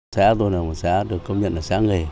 xã tôi là một xã được công nhận là xã nghề